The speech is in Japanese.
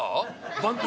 番頭